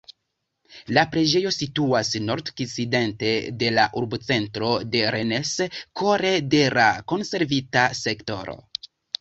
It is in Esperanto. La preĝejo situas nordokcidente de la urbocentro de Rennes, kore de la konservita sektoro.